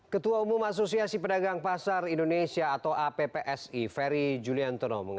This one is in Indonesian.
ketua umum asosiasi pedagang pasar indonesia atau appsi ferry juliantono